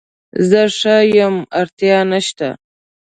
زه ښه یم اړتیا نشته